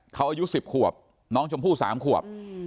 เขาอายุ๑๐ขวบน้องชมพู่๓ขวบ